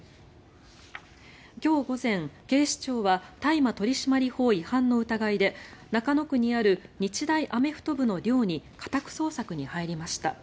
今日午前、警視庁は大麻取締法違反の疑いで中野区にある日大アメフト部の寮に家宅捜索に入りました。